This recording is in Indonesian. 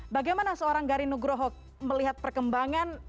bagaimana seorang garin nugroho melihat perkembangan